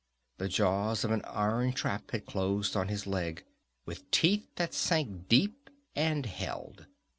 The jaws of an iron trap had closed on his leg, with teeth that sank deep and held.